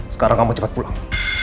sekarang kamu cepat pulang